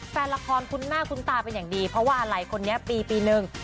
แฟนละครคุ้นหน้าคุ้นตาเป็นอย่างดีเพราะว่าอะไรคนนี้ปีหนึ่ง